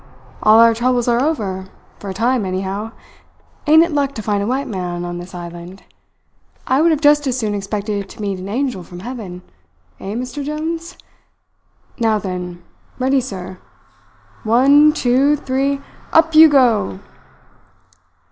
"All our troubles are over for a time, anyhow. Ain't it luck to find a white man on this island? I would have just as soon expected to meet an angel from heaven eh, Mr. Jones? Now then ready, sir? one, two, three, up you go!"